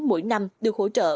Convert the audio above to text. mỗi năm được hỗ trợ